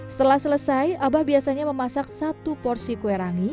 setelah selesai abah biasanya memasak satu porsi kwerangi